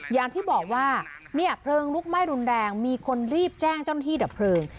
อย่างที่บอกว่าเนี่ยเพลิงลุกไหม้รุนแรงมีคนรีบแจ้งเจ้าหน้าที่ดับเพลิง